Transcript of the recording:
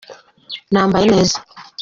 nambaye neza.